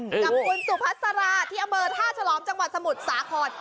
กับคุณสุพัสราที่อำเภอท่าฉลอมจังหวัดสมุทรสาคร